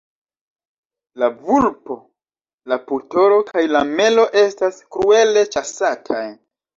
La vulpo, la putoro kaj la melo estas kruele ĉasataj.